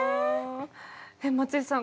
松井さん